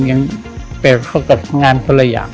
ยังเปรียบเข้ากับงานตัวละอย่าง